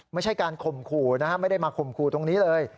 ไม่ใช่การข่มขู่นะฮะไม่ได้มาข่มขู่ตรงนี้เลย